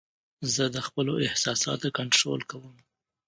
زه د خپلو احساساتو کنټرول کوم.